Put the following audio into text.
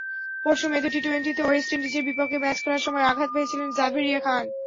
পরশু মেয়েদের টি-টোয়েন্টিতে ওয়েস্ট ইন্ডিজের বিপক্ষে ম্যাচ খেলার সময় আঘাত পেয়েছিলেন জাভেরিয়া খান।